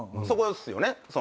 そこですよね？